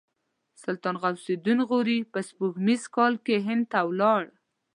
سلطان غیاث الدین غوري په سپوږمیز کال کې هند ته ولاړ.